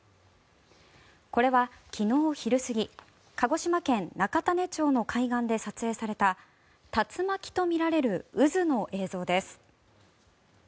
これは、昨日昼過ぎ鹿児島県中種子町の海岸で撮影された竜巻とみられる渦の映像です。